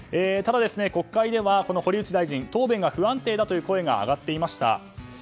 ただ、国会では堀内大臣答弁が不安定だという声が上がっていました。